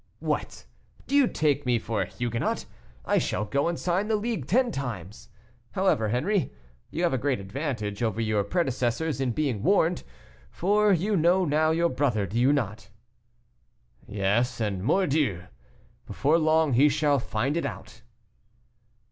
"What! do you take me for a Huguenot? I shall go and sign the League ten times. However, Henri, you have a great advantage over your predecessors, in being warned, for you know your brother, do you not?" "Yes, and, mordieu! before long he shall find it out."